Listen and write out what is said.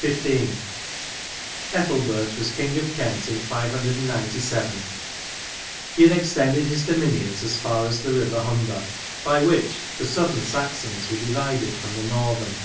30 XV. Ethelbert was king of Kent in 597; he had extended his dominions as far as the river Humher, by which the Southern Saxons were divided from the Northern.